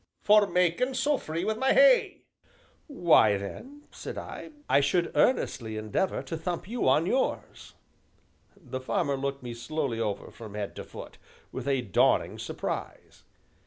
"For makin' so free wi' my hay." "Why then," said I, "I should earnestly endeavor to thump you on yours." The farmer looked me slowly over from head to foot, with a dawning surprise.